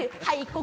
はい！